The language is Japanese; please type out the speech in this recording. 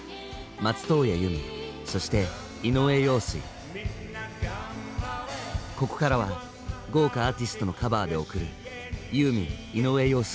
そしてここからは豪華アーティストのカバーで送る「ユーミン・井上陽水